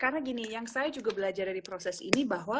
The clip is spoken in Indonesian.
karena gini yang saya juga belajar dari proses ini bahwa